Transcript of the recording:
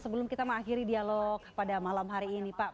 sebelum kita mengakhiri dialog pada malam hari ini pak